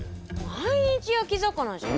毎日焼き魚じゃん。